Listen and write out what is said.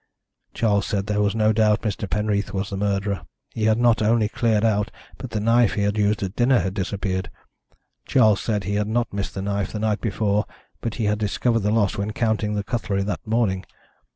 "Charles said there was no doubt Mr. Penreath was the murderer. He had not only cleared out, but the knife he had used at dinner had disappeared. Charles said he had not missed the knife the night before, but he had discovered the loss when counting the cutlery that morning.